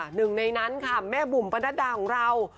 หนึ่งในนั้นค่ะแม่บุ๋มประนัดดาของเรา